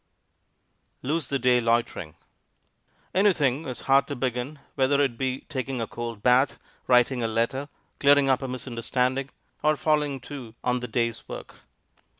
LOSE THE DAY LOITERING Anything is hard to begin, whether it be taking a cold bath, writing a letter, clearing up a misunderstanding, or falling to on the day's work.